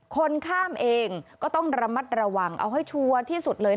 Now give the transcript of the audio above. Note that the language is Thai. คนข้ามเองก็ต้องระมัดระวังเอาให้ชัวร์ที่สุดเลย